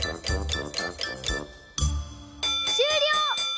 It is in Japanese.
しゅうりょう！